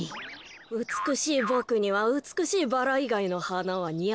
うつくしいボクにはうつくしいバラいがいのはなはにあわないからね。